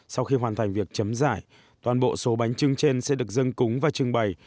sau khi hoàn thành việc chấm giải toàn bộ số bánh trưng trên sẽ được dâng cúng và trưng bày